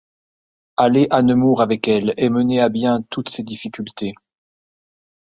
Allez à Nemours avec elle et menez à bien toutes ces difficultés.